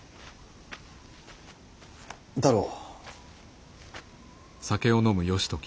太郎。